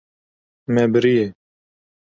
Me biriye.